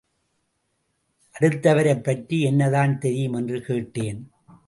அடுத்தவரைப் பற்றி என்னதான் தெரியும் என்று கேட்டேன்.